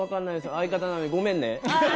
相方なのにごめんね。